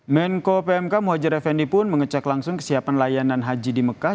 menko pmk muhajir effendi pun mengecek langsung kesiapan layanan haji di mekah